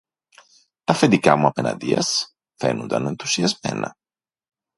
Τ' αφεντικά μου απεναντίας φαίνουνταν ενθουσιασμένα.